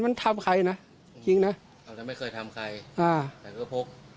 มันทำใครนะทิ้งนะเราจะไม่เคยทำใครอ่าแต่ก็พก